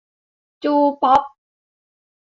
จูป๊อป